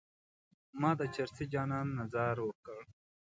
ما د چرسي جانان نه ځار وکړ.